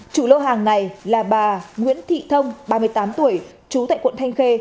chủ lô hàng này là bà nguyễn thị thông ba mươi tám tuổi trú tại quận thanh khê